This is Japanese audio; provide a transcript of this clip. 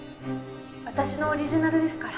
私のオリジナルですから。